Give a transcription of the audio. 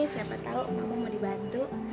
siapa tau mama mau dibantu